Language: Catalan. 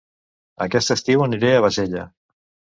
Aquest estiu aniré a Bassella